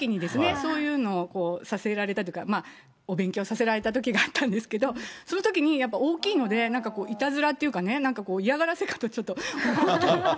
そういうのをさせられたというか、お勉強させられたときがあったんですけど、そのときにやっぱ大きいので、いたずらというかね、嫌がらせかと思って。